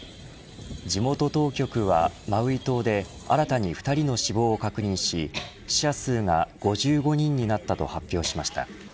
地元当局はマウイ島で新たに２人の死亡を確認し死者数が５５人になったと発表しました。